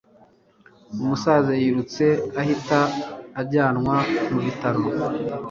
Umusaza yirutse ahita ajyanwa mu bitaro